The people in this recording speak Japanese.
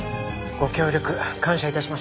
ご協力感謝致します。